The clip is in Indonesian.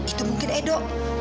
itu mungkin edo